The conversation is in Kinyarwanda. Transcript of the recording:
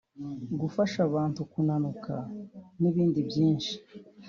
gufasha abantu kunanuka n’ibindi byinshi